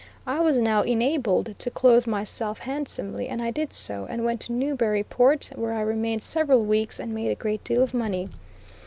I was now enabled to clothe myself handsomely, and I did so and went to Newburyport, where I remained several weeks and made a great deal of money.